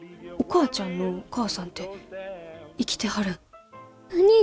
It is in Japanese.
お母ちゃんのお母さんて生きてはるん？